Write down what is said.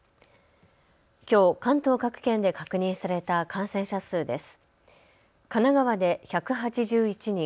きょう、関東各県で確認された感染者数です。